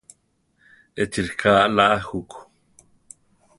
Échi ríka aʼlá a juku.